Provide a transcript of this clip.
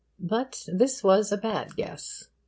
But this was a bad guess.